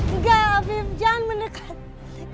enggak afif jangan mendekat